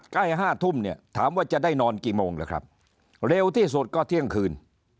ใกล้๕ทุ่มถามว่าจะได้นอนกี่โมงเร็วที่สุดก็เที่ยงคืน